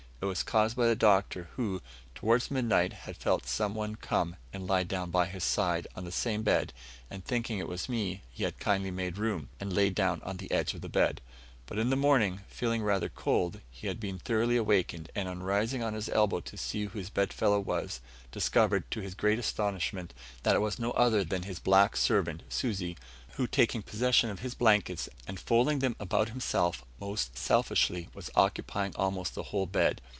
It was caused by the Doctor, who, towards midnight, had felt some one come and lie down by his side on the same bed, and, thinking it was me, he had kindly made room, and laid down on the edge of the bed. But in the morning, feeling rather cold, he had been thoroughly awakened, and, on rising on his elbow to see who his bed fellow was, he discovered, to his great astonishment, that it was no other than his black servant, Susi, who taking possession of his blankets, and folding them about himself most selfishly, was occupying almost the whole bed.